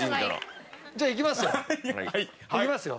じゃあいきますよ。